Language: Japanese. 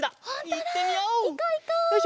いってみよう！